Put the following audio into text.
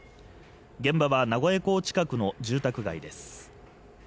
現場は名古屋港近くの住宅街です。